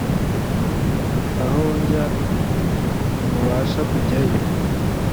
aho njya ntimubasha kujyayo